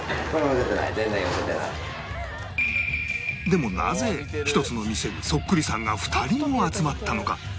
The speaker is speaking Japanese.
でもなぜ１つの店にそっくりさんが２人も集まったのか？